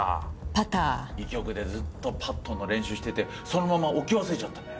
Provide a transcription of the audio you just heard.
医局でずっとパットの練習しててそのまま置き忘れちゃったんだよ。